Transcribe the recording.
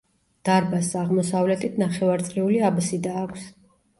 დარბაზს აღმოსავლეთით ნახევარწრიული აბსიდა აქვს.